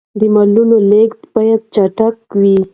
د مالونو لېږد باید چټک وي.